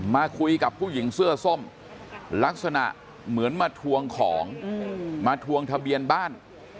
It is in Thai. มาคุยกับผู้หญิงเสื้อส้มลักษณะเหมือนมาทวงของมาทวงทะเบียนบ้าน